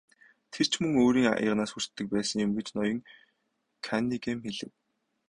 Тэр ч мөн өөрийн аяганаас хүртдэг байсан юм гэж ноён Каннингем хэлэв.